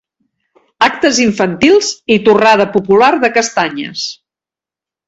Actes infantils i torrada popular de castanyes.